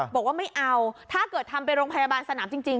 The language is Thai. บอกว่าไม่เอาถ้าเกิดทำไปโรงพยาบาลสนามจริง